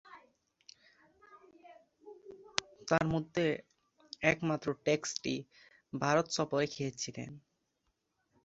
তন্মধ্যে, একমাত্র টেস্টটি ভারত সফরে খেলেছিলেন।